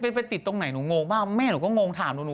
ไปติดตรงไหนหนูงงมากแม่หนูก็งงถามหนู